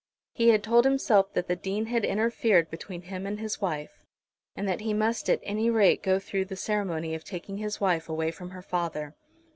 He had told himself that the Dean had interfered between him and his wife, and that he must at any rate go through the ceremony of taking his wife away from her father.